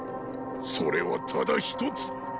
それはただ一つ。